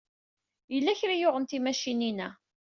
Yella kra ay yuɣen timacinin-a.